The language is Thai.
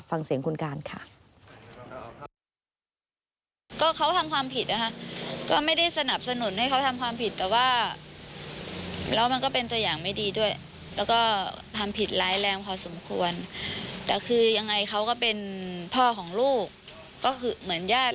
ฟังเสียงคุณการค่ะ